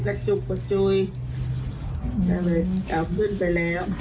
ใกล้เลยอาบขึ้นไปแล้ว